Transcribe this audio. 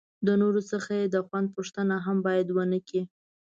د نورو څخه یې د خوند پوښتنه هم باید ونه کړي.